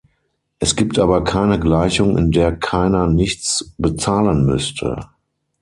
Es gibt aber keine Gleichung, in der keiner nichts bezahlen müsste.